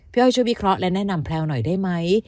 อ้อยช่วยวิเคราะห์และแนะนำแพลวหน่อยได้ไหม